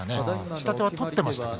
下手は取っていましたね。